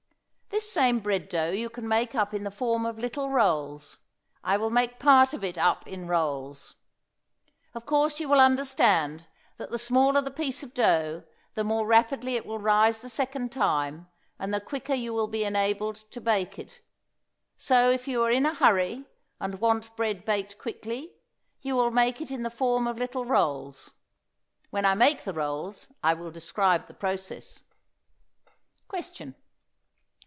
This same bread dough you can make up in the form of little rolls. I will make part of it up in rolls. Of course you will understand that the smaller the piece of dough the more rapidly it will rise the second time, and the quicker you will be enabled to bake it. So if you are in a hurry, and want bread baked quickly, you will make it in the form of little rolls; when I make the rolls I will describe the process. _Question.